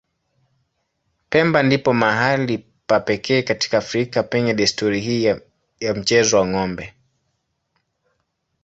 Pemba ndipo mahali pa pekee katika Afrika penye desturi hii ya mchezo wa ng'ombe.